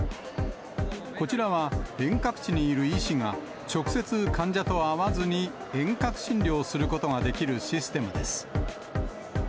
こちらは遠隔地にいる医師が直接、患者と会わずに遠隔診療することができるシステムです。